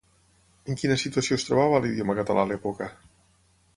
En quina situació es trobava l'idioma català a l'època?